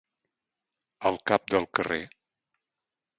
Al cap del carrer.